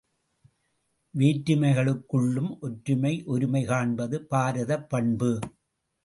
வேற்றுமைகளுக்குள்ளும் ஒற்றுமை ஒருமை காண்பது பாரதப் பண்பு.